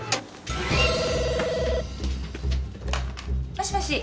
・☎もしもし。